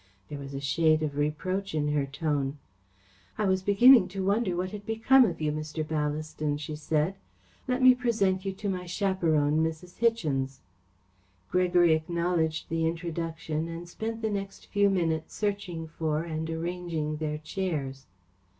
There was a shade of reproach in her tone. "I was beginning to wonder what had become of you, Mr. Ballaston," she said. "Let me present you to my chaperone, Mrs. Hichens." Gregory acknowledged the introduction and spent the next few minutes searching for and arranging their chairs.